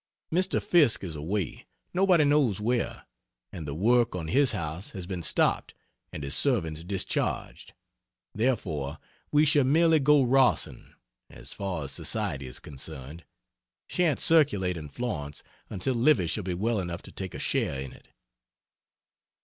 Mr. Fiske is away nobody knows where and the work on his house has been stopped and his servants discharged. Therefore we shall merely go Rossing as far as society is concerned shan't circulate in Florence until Livy shall be well enough to take a share in it.